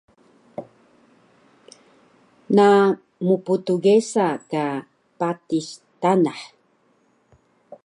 Na mptgesa ka patis tanah